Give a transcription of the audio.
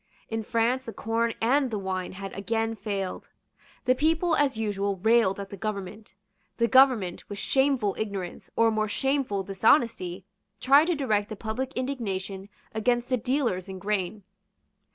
In France the corn and the wine had again failed. The people, as usual, railed at the government. The government, with shameful ignorance or more shameful dishonesty, tried to direct the public indignation against the dealers in grain.